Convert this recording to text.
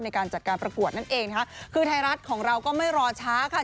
ในการจัดการประกวดนั่นเองนะคะคือไทยรัฐของเราก็ไม่รอช้าค่ะ